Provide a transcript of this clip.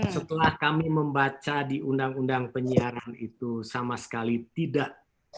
setelah kami membaca di undang undang penyiaran itu sama sekali tidak